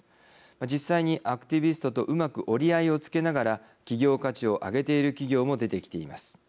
実際にアクティビストとうまく折り合いをつけながら企業価値を上げている企業も出てきています。